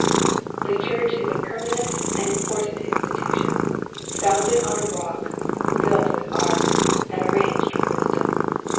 The church is a permanent and important institution, founded on a rock, builded with art, and arranged with wisdom.